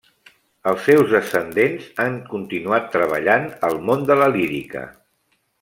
Els seus descendents han continuat treballant al món de la lírica.